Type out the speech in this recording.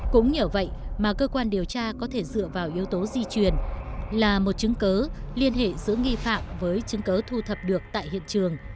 cũng như vậy mà cơ quan điều tra có thể dựa vào yếu tố di chuyển là một chứng cứ liên hệ giữa nghi phạm với chứng cứ thu thập được tại hiện trường